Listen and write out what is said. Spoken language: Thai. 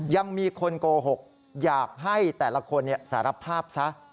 ยังมีคนโกหกอยากให้แต่ละคนสารภาพซะ